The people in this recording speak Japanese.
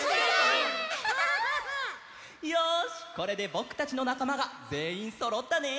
よしこれでぼくたちのなかまがぜんいんそろったね！